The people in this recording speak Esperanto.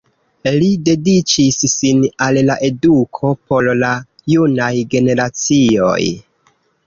Li dediĉis sin al la eduko por la junaj generacioj.